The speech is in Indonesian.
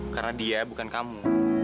karena dia bukan kamu